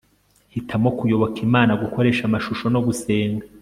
hitamo kuyoboka imana gukoresha amashusho no gusenga